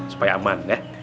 supaya aman ya